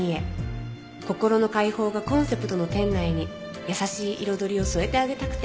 「心の解放がコンセプトの店内に優しい彩りを添えてあげたくて」